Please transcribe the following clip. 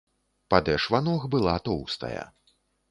Падэшва ног была тоўстая.